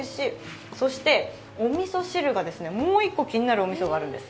そして、おみそ汁がもう一個、気になるおみそがあるんです。